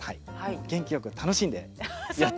元気よく楽しんでやっていただければ。